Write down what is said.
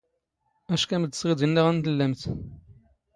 ⴰⵛⴽⴰⵎⵜ ⴷ ⵙ ⵖⵉⴷ ⵉⵏⵏⴰ ⴳ ⵏⵏ ⵜⵍⵍⴰⵎⵜ.